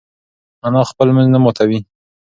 انا خپل لمونځ نه ماتوي.